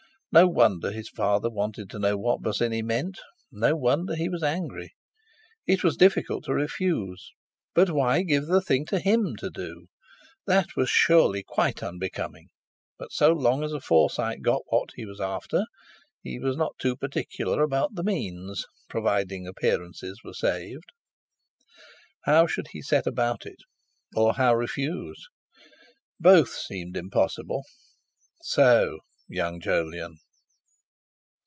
No wonder his father wanted to know what Bosinney meant, no wonder he was angry. It was difficult to refuse! But why give the thing to him to do? That was surely quite unbecoming; but so long as a Forsyte got what he was after, he was not too particular about the means, provided appearances were saved. How should he set about it, or how refuse? Both seemed impossible. So, young Jolyon!